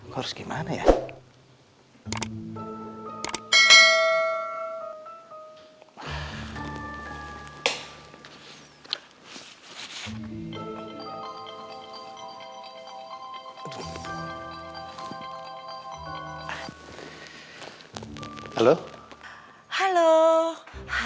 harus gimana ya